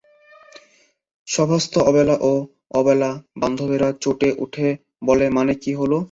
সভাস্থ অবলা ও অবলাবান্ধবেরা চটে উঠে বললে, মানে কী হল।